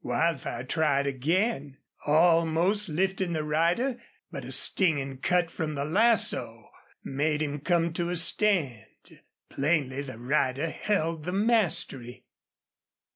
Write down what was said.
Wildfire tried again, almost lifting the rider, but a stinging cut from the lasso made him come to a stand. Plainly the rider held the mastery.